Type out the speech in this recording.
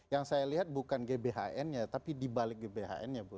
yang saya lihat bukan gbhn nya tapi dibalik gbhn nya bu